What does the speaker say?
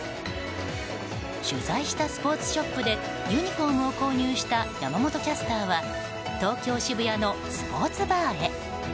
取材したスポーツショップでユニホームを購入した山本キャスターは東京・渋谷のスポーツバーへ。